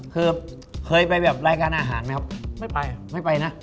คือเคยไปแบบรายการอาหารไหมครับไม่ไปไม่ไปนะ